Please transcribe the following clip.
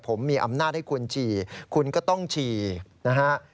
ผมมีอำนาจให้คุณฉี่คุณก็ต้องฉี่นะฮะ